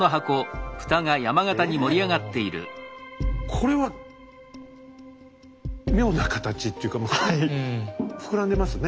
これは妙な形っていうか膨らんでますね。